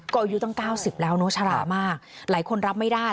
ก็อายุตั้ง๙๐แล้วเนอะชรามากหลายคนรับไม่ได้